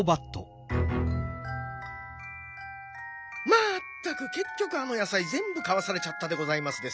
まったくけっきょくあのやさいぜんぶかわされちゃったでございますですよ。